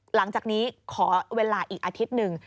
หลังจากนี้ขอเวลาอีกอาทิตย์หนึ่ง